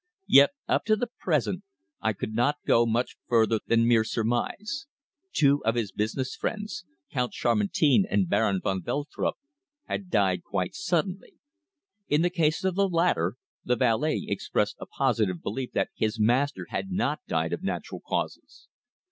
Yet up to the present I could not go much further than mere surmise. Two of his business friends, Count Chamartin and Baron van Veltrup, had died quite suddenly. In the case of the latter, the valet expressed a positive belief that his master had not died of natural causes.